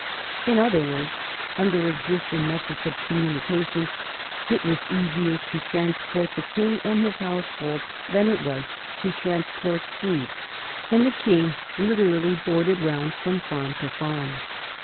In other words, under existing methods of communica tion, it was easier to transport the king and his house hold than it was to transport food, and the king literally * boarded round' from farm to farm.